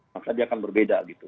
maka dia akan berbeda gitu